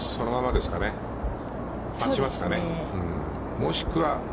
もしくは。